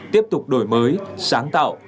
tiếp tục đổi mới sáng tạo